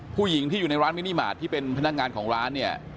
ผู้หญิงที่อยู่ในร้านมินิมาตรที่เป็นพนักงานของร้านเนี่ย